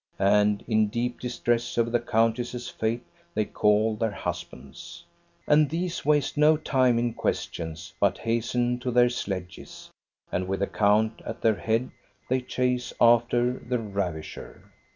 And in deep distress over the countess's fate they call their husbands. And these waste no time in questions, but hasten to their sledges. And with the count at their head they chase after the ravisher.